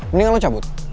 mendingan lo cabut